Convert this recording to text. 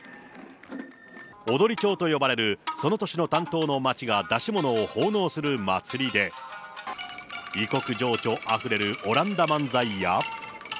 踊町と呼ばれるその年の担当の町が出し物を奉納する祭りで、異国情緒あふれる阿蘭陀漫才や。